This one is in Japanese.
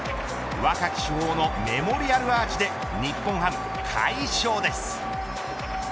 若き主砲のメモリアルアーチで日本ハム、快勝です。